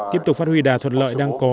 tiếp tục phát huy đà thuật lợi đang có